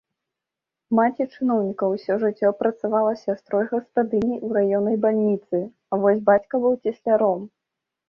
Маці чыноўніка ўсё жыццё працавала сястрой-гаспадыняй у раённай бальніцы, а вось бацька быў цесляром.